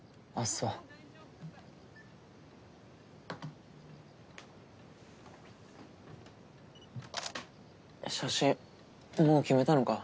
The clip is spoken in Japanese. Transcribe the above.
カシャ写真もう決めたのか？